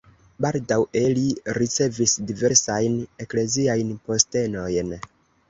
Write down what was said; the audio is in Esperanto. Baldaŭe li ricevis diversajn ekleziajn postenojn.